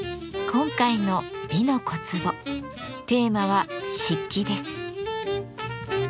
今回の「美の小壺」テーマは「漆器」です。